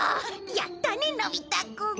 やったねのび太くん。